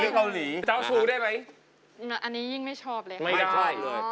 เกาหลีเจ้าชู้ได้ไหมอันนี้ยิ่งไม่ชอบเลยค่ะไม่ชอบอีกเลย